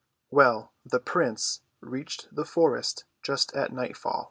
Well, the prince reached the forest just at nightfall.